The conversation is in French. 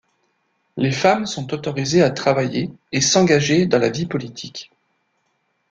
Les femmes sont autorisées à travailler et s'engager dans la vie politique.